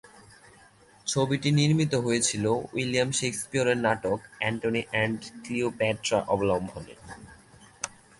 ছবিটি নির্মিত হয়েছিল উইলিয়াম শেকসপিয়রের নাটক "অ্যান্টনি অ্যান্ড ক্লিওপেট্রা" অবলম্বনে।